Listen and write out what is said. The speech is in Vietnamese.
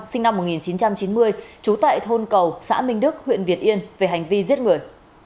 sinh năm một nghìn chín trăm chín mươi trú tại thôn cầu xã minh đức huyện việt yên về hành vi giết người